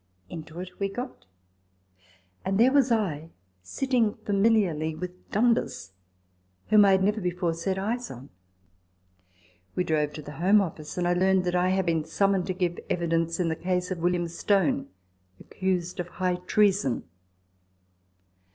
Into it we got ; and there was I sitting familiarly with Dundas, whom I had never before set eyes on. We drove to the Home Office ; and I learned that I had been summoned to give evidence in the case of William Stone, accused of high treason.